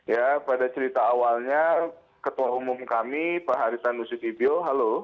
ya pada cerita awalnya ketua umum kami pak haritanu sudibyo halo